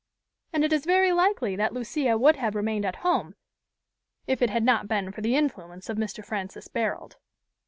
And it is very likely that Lucia would have remained at home, if it had not been for the influence of Mr. Francis Barold.